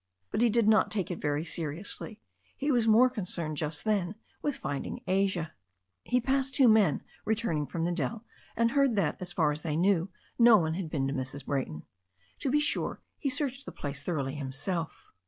But he did not take it very seriously. He was more concerned just then with finding Asia. He passed two men returning from the dell, and heard that, as far as they knew, no one had been to Mrs. Bray ton. To be sure, he searched the place thoroughly himself.